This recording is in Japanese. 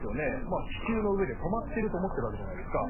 まあ地球の上で止まってると思ってるわけじゃないですか。